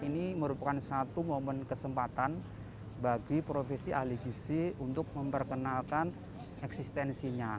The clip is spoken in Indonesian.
ini merupakan satu momen kesempatan bagi profesi ahli gisi untuk memperkenalkan eksistensinya